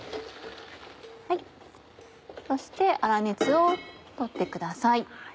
そして粗熱を取ってください。